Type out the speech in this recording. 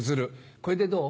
これでどう？